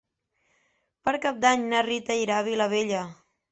Per Cap d'Any na Rita irà a la Vilavella.